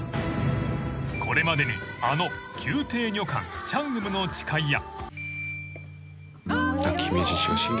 ［これまでにあの『宮廷女官チャングムの誓い』や］